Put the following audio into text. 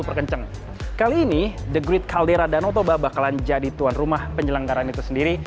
terkencang kali ini the great caldera dan otoba bakalan jadi tuan rumah penyelenggaran itu sendiri